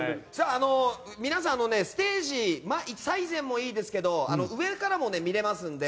皆さん、ステージ最前もいいですけど上からも見れますので。